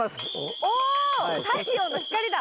太陽の光だ。